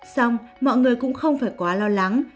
xong mọi người cũng không phải quá lo lắng